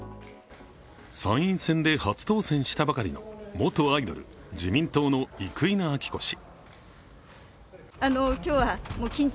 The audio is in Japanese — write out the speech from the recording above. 参院選で初当選したばかりの元アイドル、自民党の生稲晃子氏。